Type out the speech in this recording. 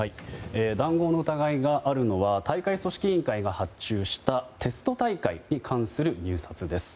談合の疑いがあるのが大会組織委員会が発注したテスト大会に関する入札です。